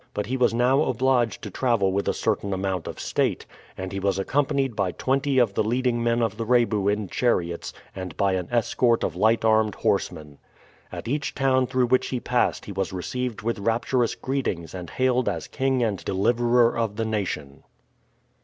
But he was now obliged to travel with a certain amount of state, and he was accompanied by twenty of the leading men of the Rebu in chariots and by an escort of light armed horsemen. At each town through which he passed he was received with rapturous greetings and hailed as king and deliverer of the nation.